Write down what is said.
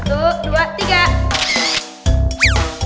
eh pak pak pak